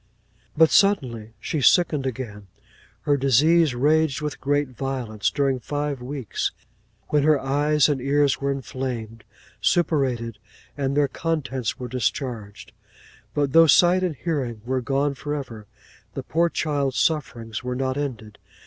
'But suddenly she sickened again; her disease raged with great violence during five weeks, when her eyes and ears were inflamed, suppurated, and their contents were discharged. But though sight and hearing were gone for ever, the poor child's sufferings were not ended.